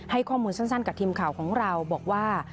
ให้ข้อมูลสั้นกับทีมข่าวของเราบอกว่า